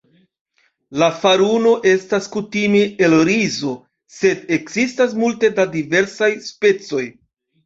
La faruno estas kutime el rizo, sed ekzistas multe da diversaj specoj.